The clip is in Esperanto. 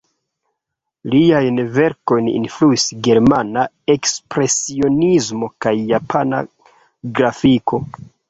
Liajn verkojn influis germana ekspresionismo kaj japana grafiko.